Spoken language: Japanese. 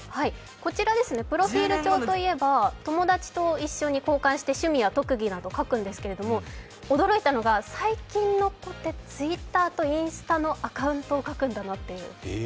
こちら、プロフィール帳といえば、友達と一緒に交換して趣味や特技などを書くんですけど驚いたのが、最近の子ってＴｗｉｔｔｅｒとインスタのアカウントを書くんだなと。